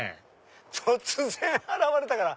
突然現れたから。